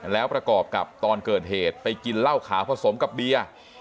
แล้วประกอบกับตอนเกิดเหตุไปกินเหล้าขาวผสมกับเบียร์